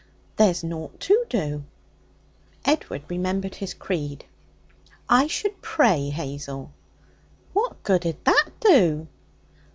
'There's nought to do.' Edward remembered his creed. 'I should pray, Hazel.' 'What good'd that do?'